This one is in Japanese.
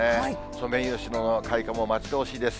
ソメイヨシノの開花も待ち遠しいです。